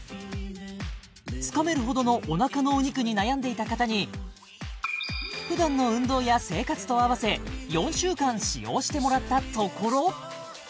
つかめるほどのお腹のお肉に悩んでいた方に普段の運動や生活とあわせ４週間使用してもらったところ